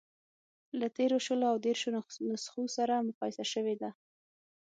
له تېرو شلو او دېرشو نسخو سره مقایسه شوې ده.